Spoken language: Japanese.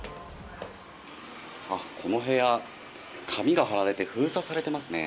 この部屋、紙が貼られて封鎖されていますね。